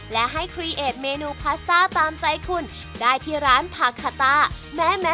และให้ครีเอทเมนูพาสต้าตามใจคุณได้ที่ร้านผักคาต้า